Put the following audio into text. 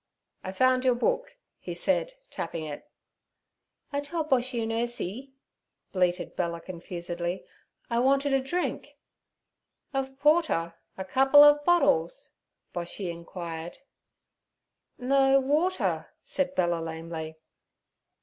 'I found your book' he said, tapping it. 'I told Boshy and Ursie' bleated Bella confusedly,'I wanted a drink.' 'Ov Porter—a cupple ov bottles?' Boshy inquired. 'No; water' said Bella lamely.